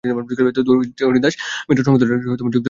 হরিদাস মিত্র সংসদীয় রাজনীতিতে যোগ দিয়ে ডেপুটি স্পীকার হন।